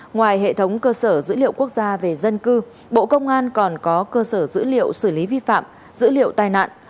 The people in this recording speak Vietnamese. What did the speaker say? ngoài hệ thống cơ sở dữ liệu quốc gia về dân cư bộ công an còn có cơ sở dữ liệu xử lý vi phạm dữ liệu tai nạn